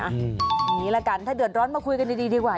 อย่างนี้ละกันถ้าเดือดร้อนมาคุยกันดีดีกว่า